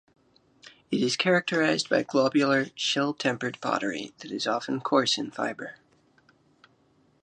It is characterized by globular, shell-tempered pottery that is often coarse in fibre.